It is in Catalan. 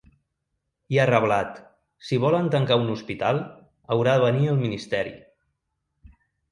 I ha reblat: ‘Si volen tancar un hospital, haurà de venir el ministeri’.